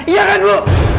iya kan bu